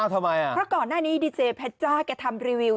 ทำไมอ่ะเพราะก่อนหน้านี้ดีเจเพชจ้าแกทำรีวิว